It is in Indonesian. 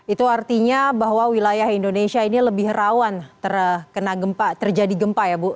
itu artinya bahwa wilayah indonesia ini lebih rawan terkena gempa terjadi gempa ya bu